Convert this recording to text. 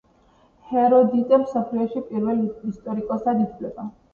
ჰეროდიტე მსოფლიოში პირველ ისტორიკოსად ითვლება